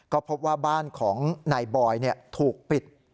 ก็พบว่าบ้านของนายบอยถูกปิด